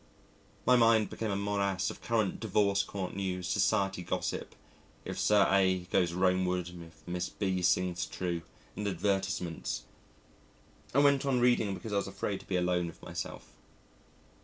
My mind became a morass of current Divorce Court News, Society Gossip "if Sir A. goes Romeward, if Miss B. sings true" and advertisements. I went on reading because I was afraid to be alone with myself.